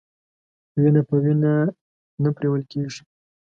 وينه په وينه نه پريوله کېږي.